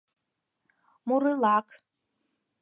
Мурылак.